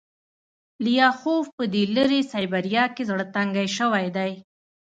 لیاخوف په دې لیرې سایبریا کې زړه تنګی شوی دی